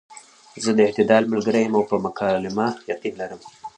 زۀ د اعتدال ملګرے يم او پۀ مکالمه يقين لرم -